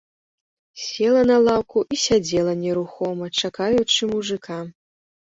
Села на лаўку і сядзела нерухома, чакаючы мужыка.